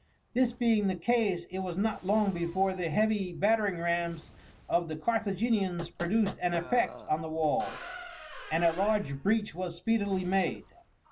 This being the case it was not long before the heavy battering rams of the Carthaginians produced an effect on the walls, and a large breach was speedily made.